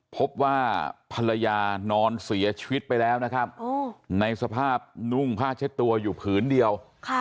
พบว่าภรรยานอนเสียชีวิตไปแล้วนะครับในสภาพนุ่งผ้าเช็ดตัวอยู่ผืนเดียว